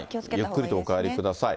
ゆっくりとお帰りください。